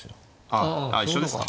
あ一緒ですか。